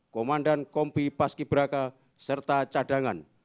komandan kompi paski braka serta cadangan